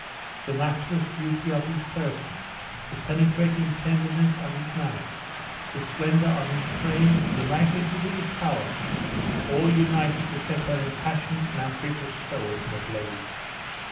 The matchless beauty of his person, the penetrating tenderness of his manner, the splendor of his fame, the magnitude of his power, all united to set her impassioned and ambitious soul in a blaze.